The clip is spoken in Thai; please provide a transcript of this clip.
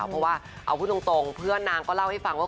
เพราะว่าเอาพูดตรงเพื่อนนางก็เล่าให้ฟังว่า